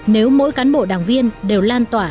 nếu mỗi cán bộ đảng viên đều lan tỏa